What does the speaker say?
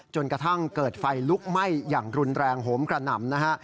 จนกระทั่งเกิดไฟลุกไหม้อย่างรุนแรงโหมกระหน่ำนะฮะ